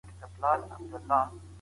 کمپيوټر فورمونه ثبتوي.